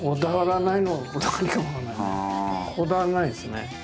こだわりないですね。